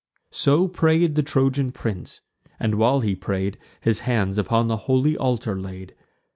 So pray'd the Trojan prince, and, while he pray'd, His hand upon the holy altar laid.